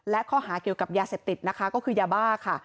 และข้อหาเกี่ยวกับยาเสพติดนะคะก็คือยาบ้าค่ะ